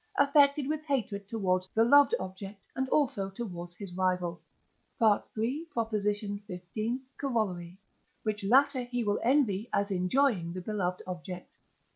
affected with hatred towards the loved object and also towards his rival (III. xv. Coroll.), which latter he will envy as enjoying the beloved object.